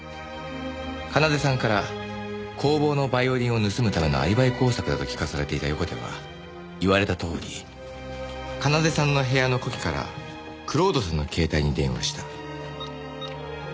奏さんから工房のバイオリンを盗むためのアリバイ工作だと聞かされていた横手は言われたとおり奏さんの部屋の子機から蔵人さんの携帯に電話した。